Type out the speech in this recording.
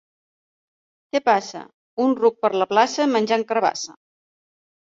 Què passa: / —Un ruc per la plaça menjant carabassa!